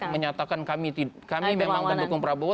menyatakan kami memang pendukung prabowo